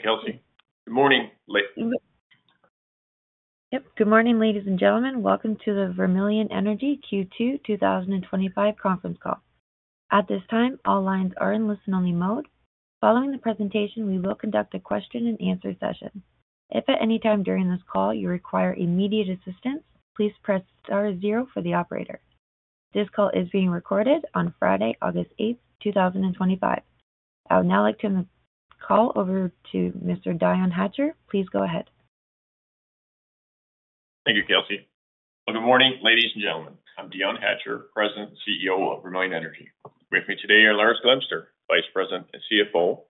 Thank you, Kelsey. Good morning, ladies. Good morning, ladies and gentlemen. Welcome to the Vermilion Energy Q2 2025 Conference Call. At this time, all lines are in listen-only mode. Following the presentation, we will conduct a question-and-answer session. If at any time during this call you require immediate assistance, please press star zero for the operator. This call is being recorded on Friday, August 8, 2025. I would now like to turn the call over to Mr. Dion Hatcher. Please go ahead. Thank you, Kelsey. Good morning, ladies and gentlemen. I'm Dion Hatcher, President and CEO of Vermilion Energy. With me today are Lars Glemser, Vice President and CFO;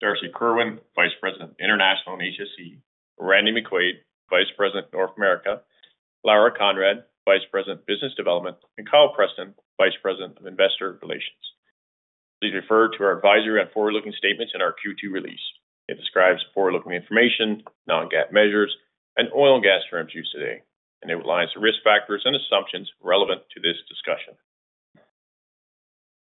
Darcy Kerwin, Vice President, International and HSC; Randy McQuaig, Vice President, North America; Laura Conrad, Vice President, Business Development; and Kyle Preston, Vice President, Investor Relations. Please refer to our advisory on forward-looking statements in our Q2 release. It describes forward-looking information, non-GAAP measures, and oil and gas terms used today, and it outlines the risk factors and assumptions relevant to this discussion.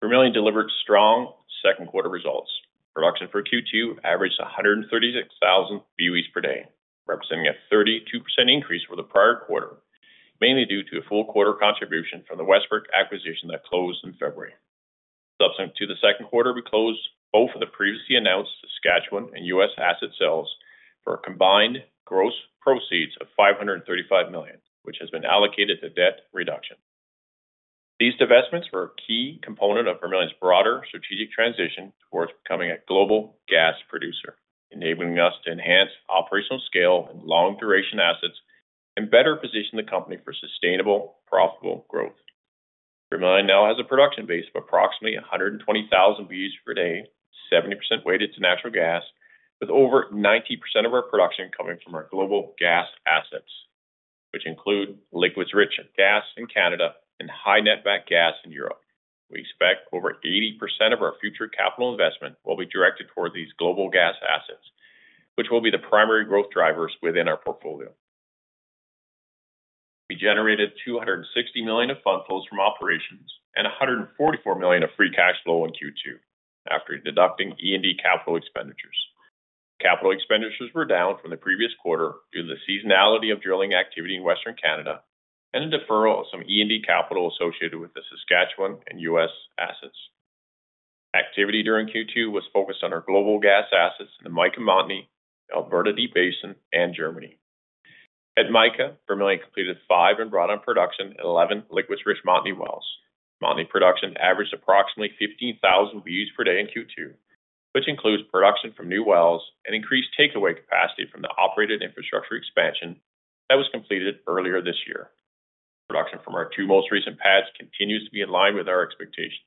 Vermilion delivered strong second-quarter results. Production for Q2 averaged 136,000 boe per day, representing a 32% increase from the prior quarter, mainly due to a full-quarter contribution from the Westbrick acquisition that closed in February. Subsequent to the second quarter, we closed both of the previously announced Saskatchewan and U.S. asset sales for a combined gross proceeds of $535 million, which has been allocated to debt reduction. These divestitures were a key component of Vermilion's broader strategic transition towards becoming a global gas producer, enabling us to enhance operational scale and long-duration assets and better position the company for sustainable, profitable growth. Vermilion now has a production base of approximately 120,000 boe per day, 70% weighted to natural gas, with over 90% of our production coming from our global gas assets, which include liquids-rich gas in Canada and high netback gas in Europe. We expect over 80% of our future capital investment will be directed toward these global gas assets, which will be the primary growth drivers within our portfolio. We generated $260 million of fund flows from operations and $144 million of free cash flow in Q2 after deducting E&D capital expenditures. Capital expenditures were down from the previous quarter due to the seasonality of drilling activity in Western Canada and a deferral of some E&D capital associated with the Saskatchewan and U.S. assets. Activity during Q2 was focused on our global gas assets in the Mica Montney, Alberta Deep Basin, and Germany. At Mica, Vermilion completed five and brought on production in 11 liquids-rich Montney wells. Montney production averaged approximately 15,000 boe per day in Q2, which includes production from new wells and increased takeaway capacity from the operated infrastructure expansion that was completed earlier this year. Production from our two most recent pads continues to be in line with our expectations.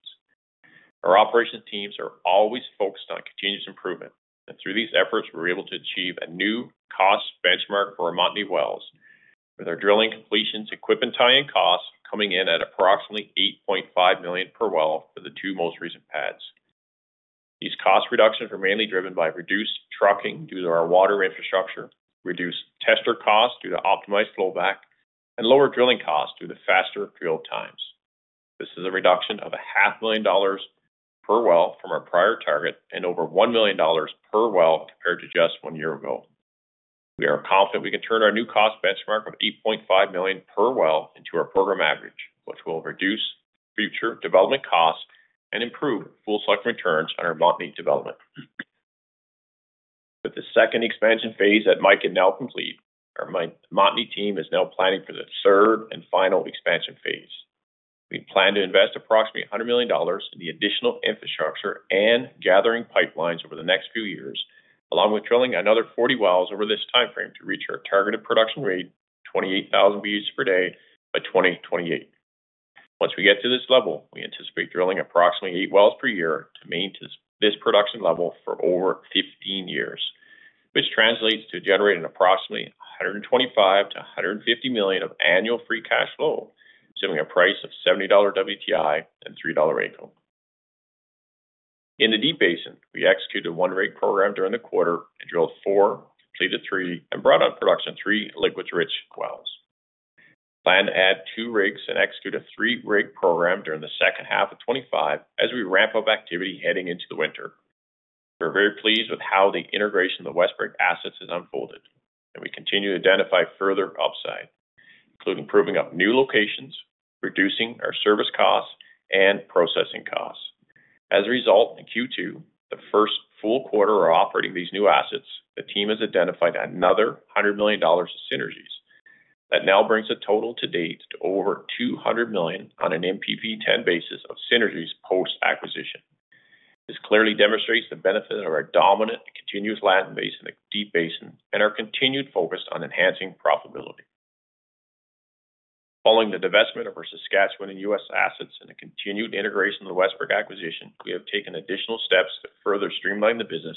Our operations teams are always focused on continuous improvement, and through these efforts, we were able to achieve a new cost benchmark for our Montney wells, with our drilling, completions, equipment tie-in, and costs coming in at approximately $8.5 million per well for the two most recent pads. These cost reductions were mainly driven by reduced trucking due to our water infrastructure, reduced tester costs due to optimized flowback, and lower drilling costs due to faster drill times. This is a reduction of $500,000 per well from our prior target and over $1 million per well compared to just one year ago. We are confident we can turn our new cost benchmark of $8.5 million per well into our program average, which will reduce future development costs and improve full cycle returns on our Montney development. With the second expansion phase at Mica now complete, our Mica Montney team is now planning for the third and final expansion phase. We plan to invest approximately $100 million in the additional infrastructure and gathering pipelines over the next few years, along with drilling another 40 wells over this timeframe to reach our targeted production rate of 28,000 boe per day by 2028. Once we get to this level, we anticipate drilling approximately eight wells per year to maintain this production level for over 15 years, which translates to generating approximately $125 million-$150 million of annual free cash flow, assuming a price of $70 WTI and $3 AECO. In the Deep Basin, we executed one rig program during the quarter and drilled four, completed three, and brought on production of three liquids-rich wells. We plan to add two rigs and execute a three-rig program during the second half of 2025 as we ramp up activity heading into the winter. We're very pleased with how the integration of the Westbrick assets has unfolded, and we continue to identify further upside, including proving up new locations, reducing our service costs, and processing costs. As a result, in Q2, the first full quarter of operating these new assets, the team has identified another $100 million of synergies. That now brings the total to date to over $200 million on an NPV10 basis of synergies post-acquisition. This clearly demonstrates the benefit of our dominant and continuous land base in the Deep Basin and our continued focus on enhancing profitability. Following the divestment of our Saskatchewan and U.S. assets and the continued integration of the Westbrick acquisition, we have taken additional steps to further streamline the business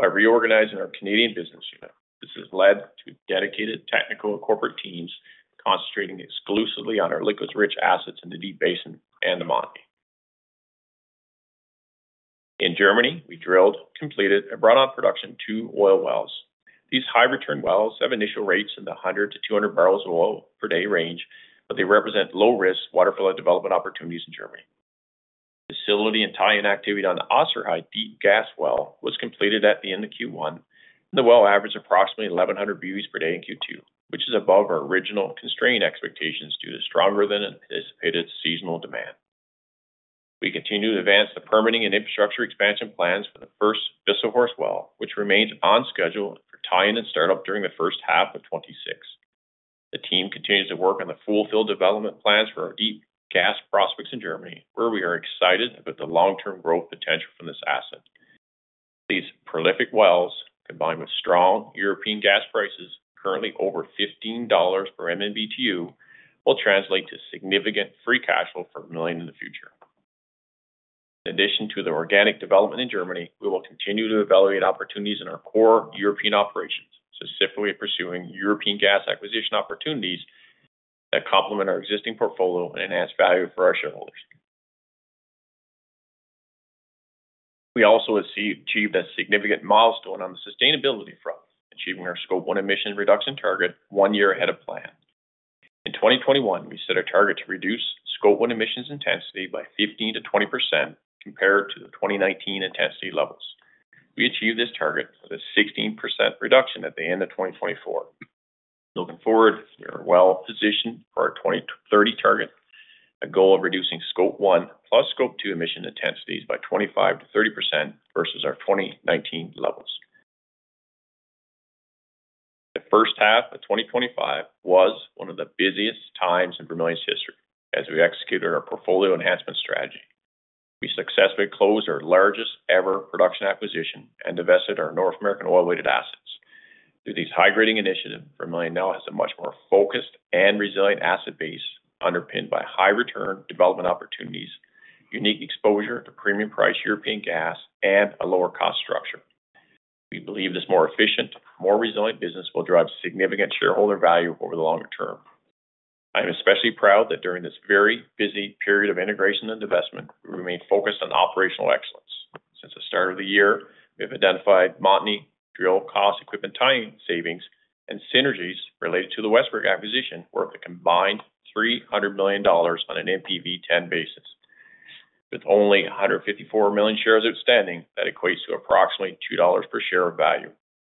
by reorganizing our Canadian business unit. This has led to dedicated technical and corporate teams concentrating exclusively on our liquids-rich assets in the Deep Basin and the Mica Montney. In Germany, we drilled, completed, and brought on production of two oil wells. These high-return wells have initial rates in the 100 bbl-200 bbl of oil per day range, but they represent low-risk, waterfall development opportunities in Germany. The facility and tie-in activity on the Osterheid deep gas well was completed at the end of Q1, and the well averaged approximately 1,100 boe per day in Q2, which is above our original constrained expectations due to stronger than anticipated seasonal demand. We continue to advance the permitting and infrastructure expansion plans for the first Wisselshorst well, which remains on schedule for tie-in and startup during the first half of 2026. The team continues to work on the full-field development plans for our deep gas prospects in Germany, where we are excited about the long-term growth potential from this asset. These prolific wells, combined with strong European gas prices, currently over $15 per MMBtu, will translate to significant free cash flow for Vermilion in the future. In addition to the organic development in Germany, we will continue to evaluate opportunities in our core European operations, specifically pursuing European gas acquisition opportunities that complement our existing portfolio and enhance value for our shareholders. We also achieved a significant milestone on the sustainability front, achieving our Scope 1 emissions reduction target one year ahead of plan. In 2021, we set a target to reduce Scope 1 emissions intensity by 15%-20% compared to the 2019 intensity levels. We achieved this target with a 16% reduction at the end of 2024. Looking forward, we are well positioned for our 2030 target, a goal of reducing Scope 1 plus Scope 2 emission intensities by 25%-30% versus our 2019 levels. The first half of 2025 was one of the busiest times in Vermilion's history as we executed our portfolio enhancement strategy. We successfully closed our largest ever production acquisition and divested our North American oil-weighted assets. Through these high-grading initiatives, Vermilion now has a much more focused and resilient asset base underpinned by high-return development opportunities, unique exposure to premium priced European gas, and a lower cost structure. We believe this more efficient, more resilient business will drive significant shareholder value over the longer term. I am especially proud that during this very busy period of integration and divestment, we remain focused on operational excellence. Since the start of the year, we have identified Montney, drill cost, equipment tie-in savings, and synergies related to the Westbrick acquisition worth a combined $300 million on an NPV10 basis. With only 154 million shares outstanding, that equates to approximately $2 per share of value.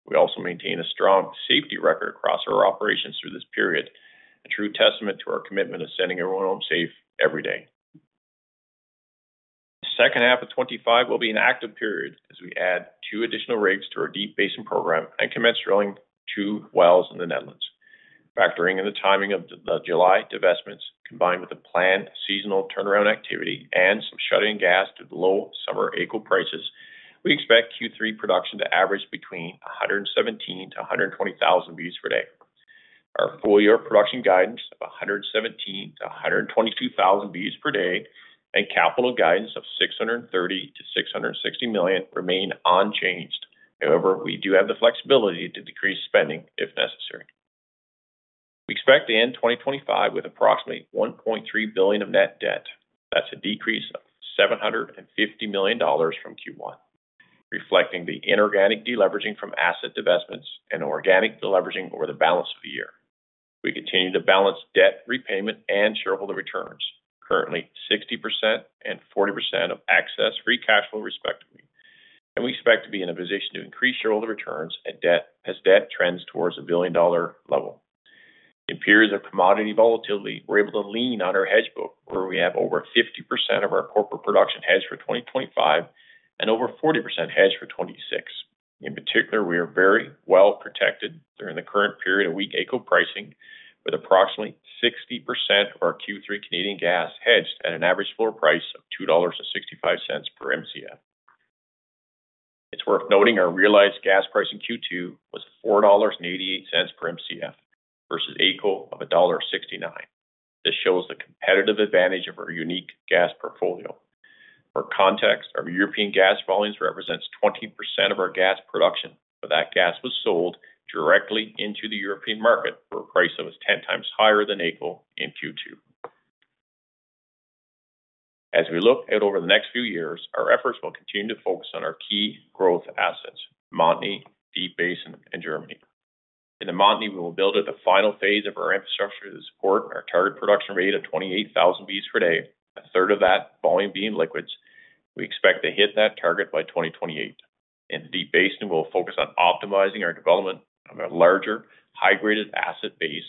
We also maintain a strong safety record across our operations through this period, a true testament to our commitment to sending everyone home safe every day. The second half of 2025 will be an active period as we add two additional rigs to our Deep Basin program and commence drilling two wells in the Netherlands. Factoring in the timing of the July divestitures, combined with the planned seasonal turnaround activity and some shutting in gas to low summer AECO prices, we expect Q3 production to average between 117,000 boe-120,000 boe per day. Our full-year production guidance of 117,000-122,000 boe per day and capital guidance of $630 million-$660 million remain unchanged. However, we do have the flexibility to decrease spending if necessary. We expect to end 2025 with approximately $1.3 billion of net debt. That's a decrease of $750 million from Q1, reflecting the inorganic deleveraging from asset divestitures and organic deleveraging over the balance of the year. We continue to balance debt repayment and shareholder returns, currently 60% and 40% of excess free cash flow respectively, and we expect to be in a position to increase shareholder returns as debt trends towards a $1 billion level. In periods of commodity volatility, we're able to lean on our hedge book, where we have over 50% of our corporate production hedged for 2025 and over 40% hedged for 2026. In particular, we are very well protected during the current period of weak AECO pricing, with approximately 60% of our Q3 Canadian gas hedged at an average floor price of $2.65 per MCF. It's worth noting our realized gas price in Q2 was $4.88 mcf versus AECO of $1.69. This shows the competitive advantage of our unique gas portfolio. For context, our European gas volumes represent 20% of our gas production, but that gas was sold directly into the European market for a price that was 10 times higher than AECO in Q2. As we look out over the next few years, our efforts will continue to focus on our key growth assets: Montney, Deep Basin, and Germany. In Montney, we will build out the final phase of our infrastructure to support our target production rate of 28,000 boe per day, a third of that volume being liquids. We expect to hit that target by 2028. In the Deep Basin, we'll focus on optimizing our development of a larger high-graded asset base,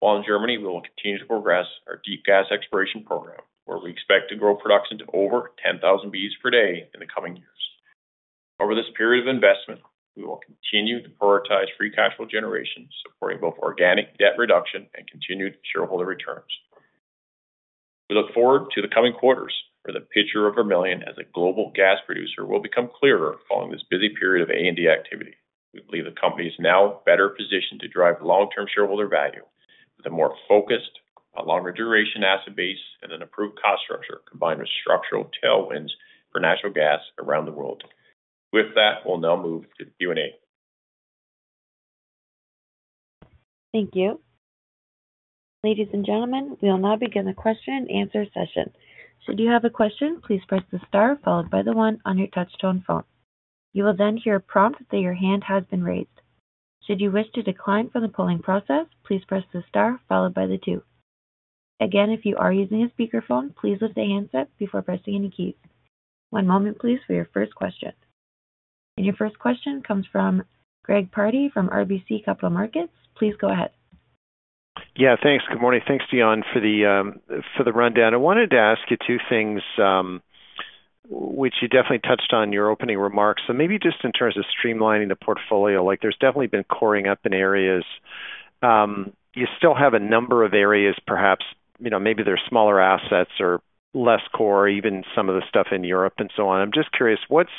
while in Germany, we will continue to progress our deep gas exploration program, where we expect to grow production to over 10,000 boe per day in the coming years. Over this period of investment, we will continue to prioritize free cash flow generation, supporting both organic debt reduction and continued shareholder returns. We look forward to the coming quarters, where the picture of Vermilion as a global gas producer will become clearer following this busy period of A&D activity. We believe the company is now in a better position to drive long-term shareholder value with a more focused, longer duration asset base, and an improved cost structure combined with structural tailwinds for natural gas around the world. With that, we'll now move to the Q&A. Thank you. Ladies and gentlemen, we will now begin the question-and-answer session. Should you have a question, please press the star followed by the one on your touch-tone phone. You will then hear a prompt that your hand has been raised. Should you wish to decline from the polling process, please press the star followed by the two. If you are using a speaker phone, please lift the handset before pressing any keys. One moment, please, for your first question. Your first question comes from Greg Pardy from RBC Capital Markets. Please go ahead. Yeah, thanks. Good morning. Thanks, Dion, for the rundown. I wanted to ask you two things, which you definitely touched on in your opening remarks. Maybe just in terms of streamlining the portfolio, like there's definitely been coring up in areas. You still have a number of areas, perhaps, you know, maybe they're smaller assets or less core, even some of the stuff in Europe and so on. I'm just curious, what's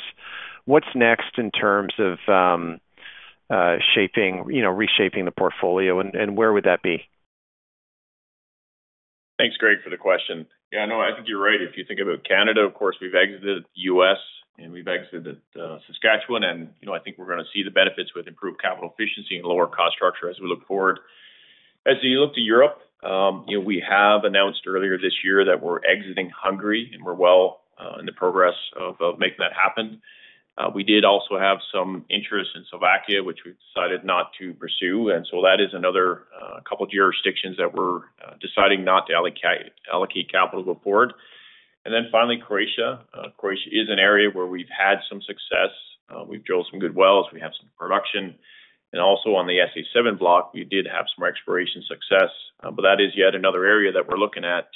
next in terms of shaping, you know, reshaping the portfolio and where would that be? Thanks, Greg, for the question. Yeah, no, I think you're right. If you think about Canada, of course, we've exited the U.S. and we've exited Saskatchewan, and I think we're going to see the benefits with improved capital efficiency and lower cost structure as we look forward. As you look to Europe, we have announced earlier this year that we're exiting Hungary and we're well in the progress of making that happen. We did also have some interest in Slovakia, which we've decided not to pursue, and that is another couple of jurisdictions that we're deciding not to allocate capital to going forward. Finally, Croatia is an area where we've had some success. We've drilled some good wells. We have some production. Also, on the SA-7 block, we did have some exploration success, but that is yet another area that we're looking at.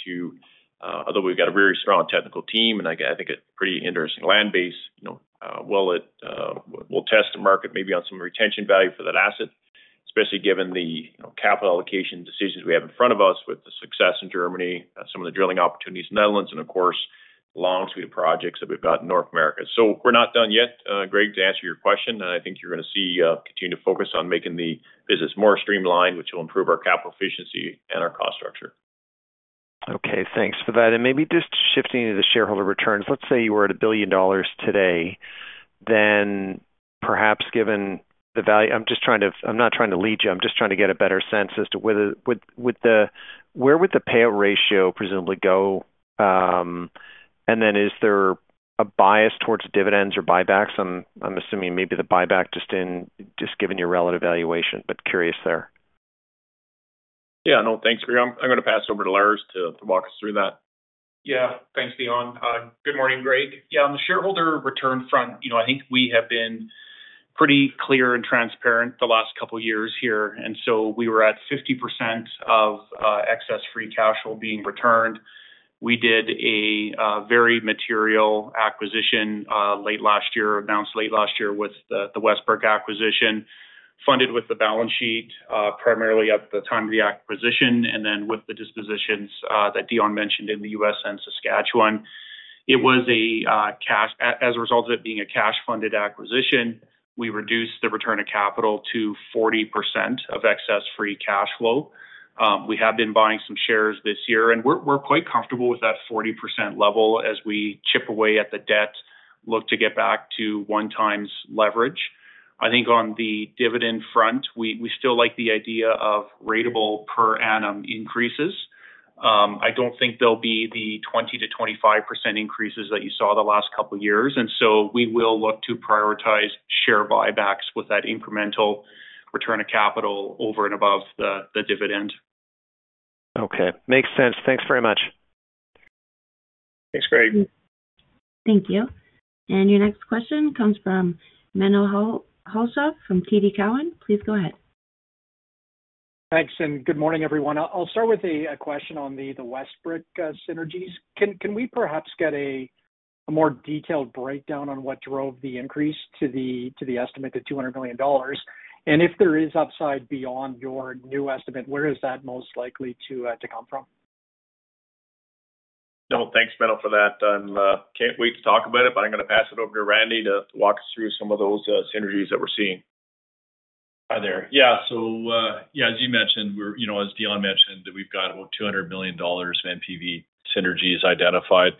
Although we've got a very strong technical team and I think a pretty interesting land base, will it, we'll test the market maybe on some retention value for that asset, especially given the capital allocation decisions we have in front of us with the success in Germany, some of the drilling opportunities in the Netherlands, and of course, the long suite of projects that we've got in North America. We're not done yet, Greg, to answer your question, and I think you're going to see continued focus on making the business more streamlined, which will improve our capital efficiency and our cost structure. Okay, thanks for that. Maybe just shifting into the shareholder returns, let's say you were at $1 billion today, then perhaps given the value, I'm just trying to get a better sense as to where would the payout ratio presumably go, and then is there a bias towards dividends or buybacks? I'm assuming maybe the buyback just given your relative valuation, but curious there. Yeah, no, thanks. I'm going to pass it over to Lars to walk us through that. Yeah, thanks, Dion. Good morning, Greg. Yeah, on the shareholder return front, you know, I think we have been pretty clear and transparent the last couple of years here, and we were at 50% of excess free cash flow being returned. We did a very material acquisition late last year, announced late last year with the Westbrick acquisition, funded with the balance sheet primarily at the time of the acquisition, and then with the dispositions that Dion mentioned in the U.S. and Saskatchewan. It was a cash, as a result of it being a cash-funded acquisition, we reduced the return of capital to 40% of excess free cash flow. We have been buying some shares this year, and we're quite comfortable with that 40% level as we chip away at the debt, look to get back to one-times leverage. I think on the dividend front, we still like the idea of ratable per annum increases. I don't think there'll be the 20%-25% increases that you saw the last couple of years, and we will look to prioritize share buybacks with that incremental return of capital over and above the dividend. Okay, makes sense. Thanks very much. Thanks, Greg. Thank you. Your next question comes from Menno Hulshof from TD Cowen. Please go ahead. Thanks, and good morning, everyone. I'll start with a question on the Westbrick synergies. Can we perhaps get a more detailed breakdown on what drove the increase to the estimate of $200 million? If there is upside beyond your new estimate, where is that most likely to come from? No, thanks, Menno, for that. I can't wait to talk about it, but I'm going to pass it over to Randy to walk us through some of those synergies that we're seeing. Hi there. As you mentioned, we're, you know, as Dion mentioned, we've got about $200 million of NPV synergies identified.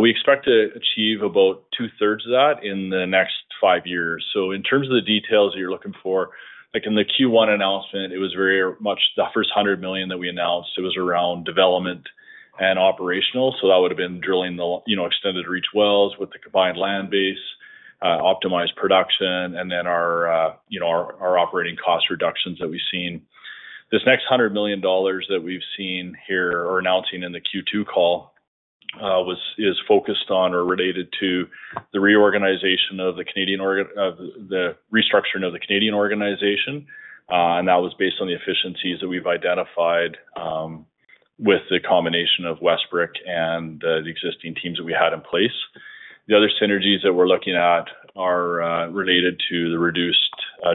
We expect to achieve about two-thirds of that in the next five years. In terms of the details that you're looking for, like in the Q1 announcement, it was very much the first $100 million that we announced. It was around development and operational. That would have been drilling the extended reach wells with the combined land base, optimized production, and then our operating cost reductions that we've seen. This next $100 million that we've seen here or announcing in the Q2 call was focused on or related to the reorganization of the Canadian or the restructuring of the Canadian organization, and that was based on the efficiencies that we've identified with the combination of Westbrick and the existing teams that we had in place. The other synergies that we're looking at are related to the reduced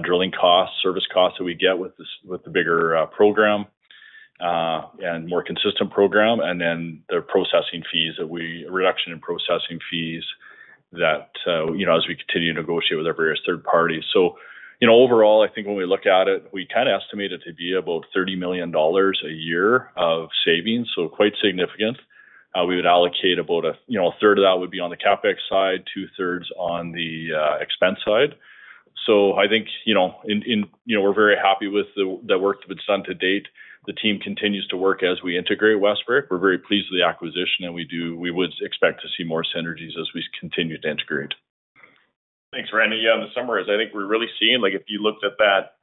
drilling costs, service costs that we get with the bigger program and more consistent program, and then the processing fees, a reduction in processing fees that, you know, as we continue to negotiate with every third party. Overall, I think when we look at it, we kind of estimate it to be about $30 million a year of savings, so quite significant. We would allocate about a third of that on the CapEx side, two-thirds on the expense side. I think we're very happy with the work that's been done to date. The team continues to work as we integrate Westbrick. We're very pleased with the acquisition, and we would expect to see more synergies as we continue to integrate. Thanks, Randy. In the summaries, I think we're really seeing, like if you looked at that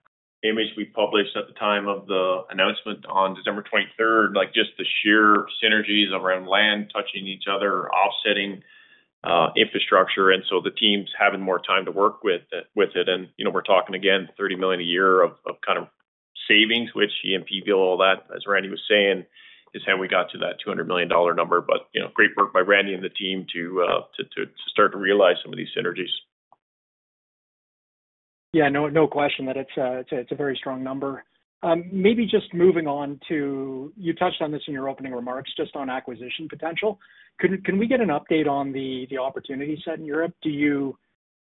image we published at the time of the announcement on December 23rd, just the sheer synergies around land touching each other, offsetting infrastructure, and the teams having more time to work with it. We're talking again, $30 million a year of kind of savings, which the NPV, all that, as Randy was saying, is how we got to that $200 million number. Great work by Randy and the team to start to realize some of these synergies. No question that it's a very strong number. Maybe just moving on to, you touched on this in your opening remarks, just on acquisition potential. Can we get an update on the opportunity set in Europe? Do you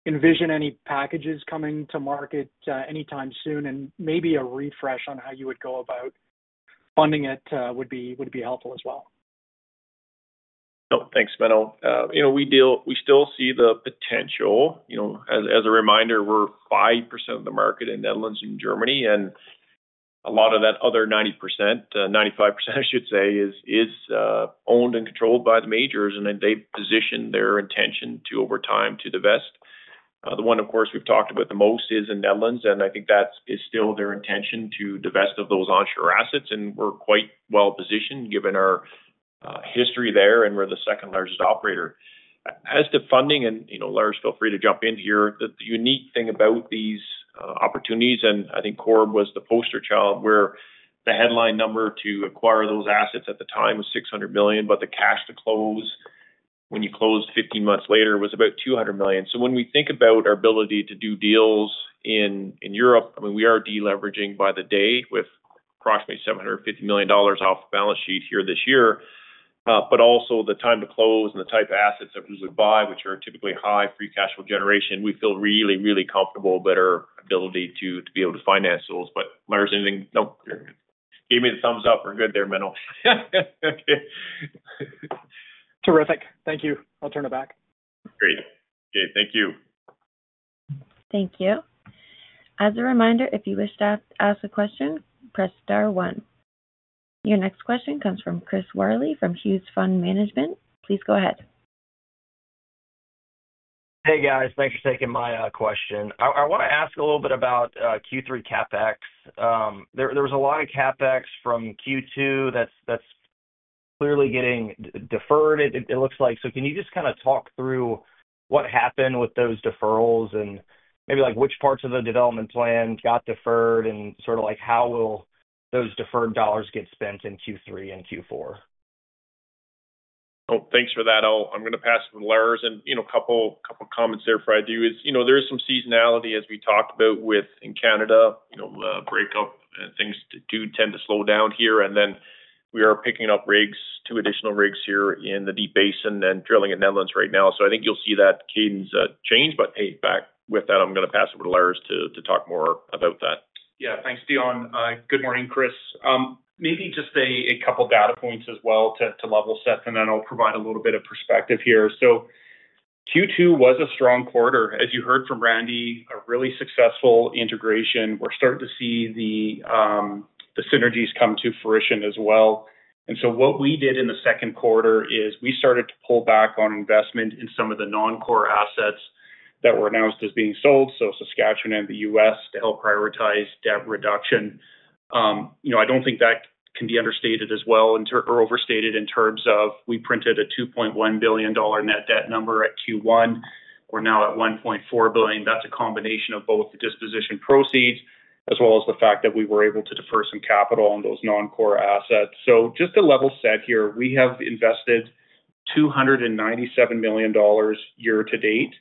envision any packages coming to market anytime soon? Maybe a refresh on how you would go about funding it would be helpful as well. No, thanks, Menno. We still see the potential. As a reminder, we're 5% of the market in the Netherlands and Germany, and a lot of that other 90%, 95% I should say, is owned and controlled by the majors, and then they position their intention over time to divest. The one, of course, we've talked about the most is in the Netherlands, and I think that is still their intention to divest of those onshore assets, and we're quite well positioned given our history there, and we're the second largest operator. As to funding, and Lars, feel free to jump in here, the unique thing about these opportunities, and I think Corb was the poster child where the headline number to acquire those assets at the time was $600 million, but the cash to close when you closed 15 months later was about $200 million. When we think about our ability to do deals in Europe, we are deleveraging by the day with approximately $750 million off balance sheet here this year, but also the time to close and the type of assets of whose would buy, which are typically high free cash flow generation, we feel really, really comfortable about our ability to be able to finance those. Lars, anything? No. Give me the thumbs up. We're good there, Menno. Terrific. Thank you. I'll turn it back. Great. Okay, thank you. Thank you. As a reminder, if you wish to ask a question, press star one. Your next question comes from Chris Warley from Hewes Fund Management. Please go ahead. Hey guys, thanks for taking my question. I want to ask a little bit about Q3 CapEx. There was a lot of CapEx from Q2 that's clearly getting deferred, it looks like. Can you just kind of talk through what happened with those deferrals and maybe which parts of the development plan got deferred and how will those deferred dollars get spent in Q3 and Q4? Thanks for that. I'm going to pass it to Lars. A couple of comments there before I do is, there is some seasonality as we talked about with in Canada, the breakup and things do tend to slow down here. We are picking up rigs, two additional rigs here in the Deep Basin and drilling in Netherlands right now. I think you'll see that cadence change. Back with that, I'm going to pass it to Lars to talk more about that. Yeah. Thanks, Dion. Good morning, Chris. Maybe just a couple of data points as well to level set, and then I'll provide a little bit of perspective here. Q2 was a strong quarter, as you heard from Randy, a really successful integration. We're starting to see the synergies come to fruition as well. What we did in the second quarter is we started to pull back on investment in some of the non-core assets that were announced as being sold, so Saskatchewan and the U.S., to help prioritize debt reduction. I don't think that can be understated as well or overstated in terms of we printed a $2.1 billion net debt number at Q1. We're now at $1.4 billion. That's a combination of both the disposition proceeds as well as the fact that we were able to defer some capital on those non-core assets. Just to level set here, we have invested $297 million year to date.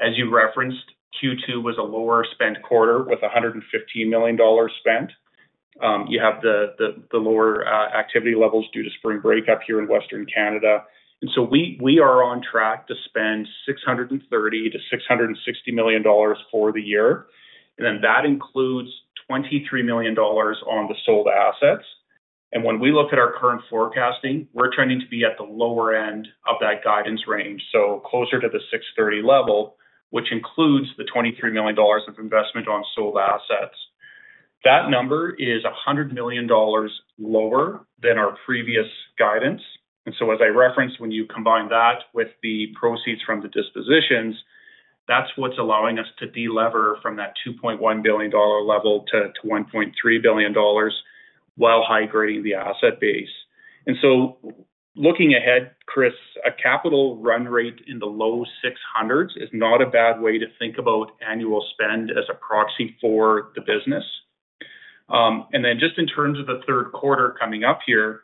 As you referenced, Q2 was a lower spent quarter with $115 million spent. You have the lower activity levels due to spring breakup here in Western Canada. We are on track to spend $630 million-$660 million for the year. That includes $23 million on the sold assets. When we look at our current forecasting, we're trending to be at the lower end of that guidance range, so closer to the $630 million level, which includes the $23 million of investment on sold assets. That number is $100 million lower than our previous guidance. As I referenced, when you combine that with the proceeds from the dispositions, that's what's allowing us to delever from that $2.1 billion level-$1.3 billion while high grading the asset base. Looking ahead, Chris, a capital run rate in the low $600 million is not a bad way to think about annual spend as a proxy for the business. In terms of the third quarter coming up here,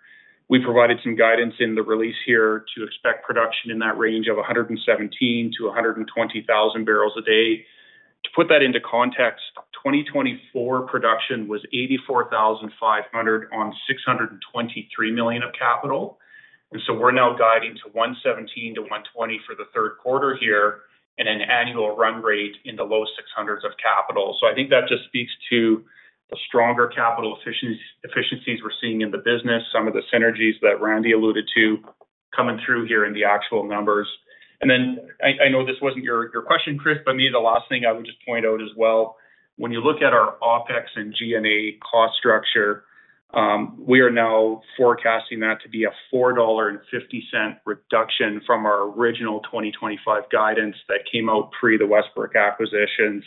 we provided some guidance in the release here to expect production in that range of 117,000 bbl-120,000 bbl a day. To put that into context, 2024 production was 84,500 on $623 million of capital. We're now guiding to 117,000-120,000 for the third quarter here and an annual run rate in the low $600 million of capital. I think that just speaks to the stronger capital efficiencies we're seeing in the business, some of the synergies that Randy alluded to coming through here in the actual numbers. I know this wasn't your question, Chris, but maybe the last thing I would just point out as well, when you look at our OpEx and G&A cost structure, we are now forecasting that to be a $4.50 reduction from our original 2025 guidance that came out pre the Westbrick acquisition.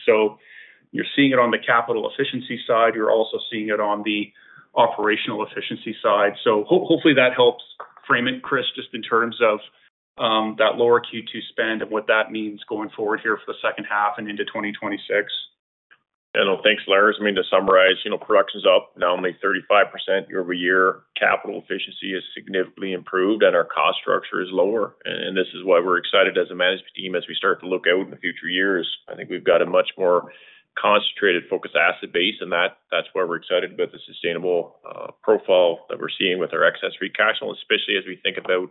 You're seeing it on the capital efficiency side. You're also seeing it on the operational efficiency side. Hopefully that helps frame it, Chris, just in terms of that lower Q2 spend and what that means going forward here for the second half and into 2026. Yeah, no, thanks, Lars. To summarize, production's up now only 35% year-over-year. Capital efficiency is significantly improved, and our cost structure is lower. This is why we're excited as a management team as we start to look out in the future years. I think we've got a much more concentrated, focused asset base, and that's why we're excited about the sustainable profile that we're seeing with our excess free cash flow, especially as we think about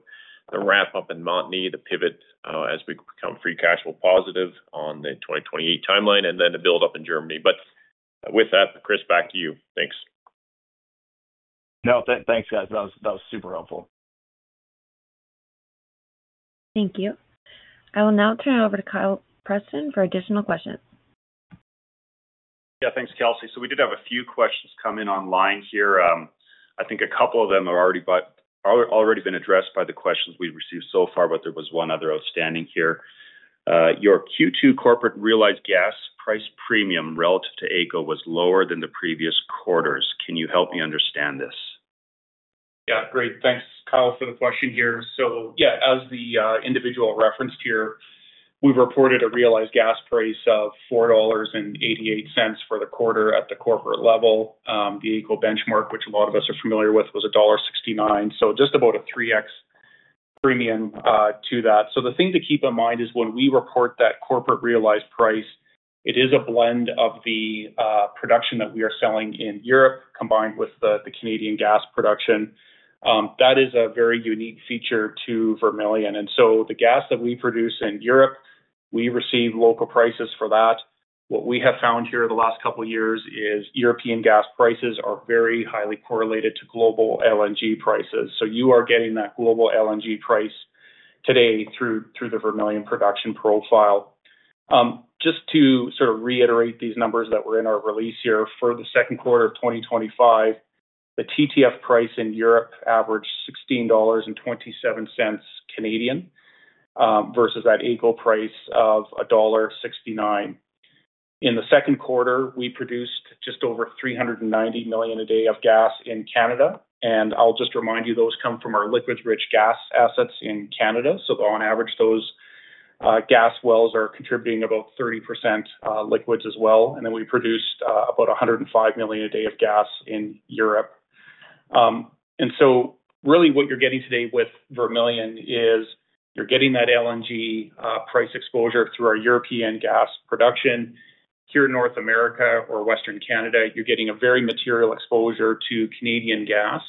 the wrap-up in Montney, the pivot as we become free cash flow positive on the 2028 timeline, and the build-up in Germany. With that, Chris, back to you. Thanks. No, thanks, guys. That was super helpful. Thank you. I will now turn it over to Kyle Preston for additional questions. Yeah, thanks, Kelsey. We did have a few questions come in online here. I think a couple of them have already been addressed by the questions we've received so far, but there was one other outstanding here. Your Q2 corporate realized gas price premium relative to AECOM was lower than the previous quarters. Can you help me understand this? Yeah, great. Thanks, Kyle, for the question here. As the individual referenced here, we've reported a realized gas price of $4.88 for the quarter at the corporate level. The AECO benchmark, which a lot of us are familiar with, was $1.69. Just about a 3X premium to that. The thing to keep in mind is when we report that corporate realized price, it is a blend of the production that we are selling in Europe combined with the Canadian gas production. That is a very unique feature to Vermilion. The gas that we produce in Europe, we receive local prices for that. What we have found here the last couple of years is European gas prices are very highly correlated to global LNG prices. You are getting that global LNG price today through the Vermilion production profile. Just to sort of reiterate these numbers that were in our release here for the second quarter of 2025, the TTF price in Europe averaged 16.27 Canadian dollars versus that AECO price of $1.69. In the second quarter, we produced just over 390 million a day of gas in Canada. I'll just remind you, those come from our liquids-rich gas assets in Canada. On average, those gas wells are contributing about 30% liquids as well. We produced about 105 million a day of gas in Europe. Really what you're getting today with Vermilion is you're getting that LNG price exposure through our European gas production. Here in North America or Western Canada, you're getting a very material exposure to Canadian gas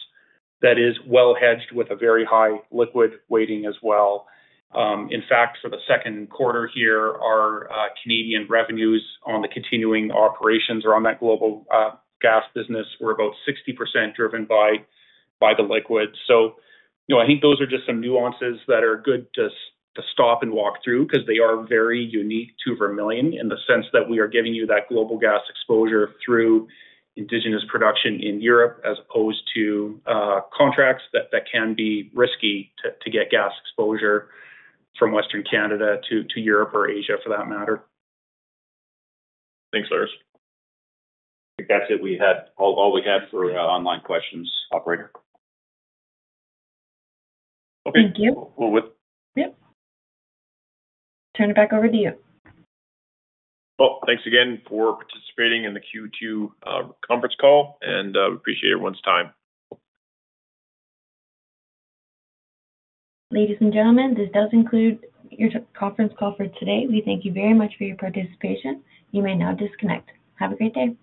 that is well hedged with a very high liquid weighting as well. In fact, for the second quarter here, our Canadian revenues on the continuing operations or on that global gas business were about 60% driven by the liquids. I think those are just some nuances that are good to stop and walk through because they are very unique to Vermilion in the sense that we are giving you that global gas exposure through indigenous production in Europe as opposed to contracts that can be risky to get gas exposure from Western Canada to Europe or Asia for that matter. Thanks, Lars.I think that's it. We had all we had for online questions. Operator. Thank you. Well, with. Yep, turn it back over to you. Thanks again for participating in the Q2 conference call, and we appreciate everyone's time. Ladies and gentlemen, this does conclude your conference call for today. We thank you very much for your participation. You may now disconnect. Have a great day.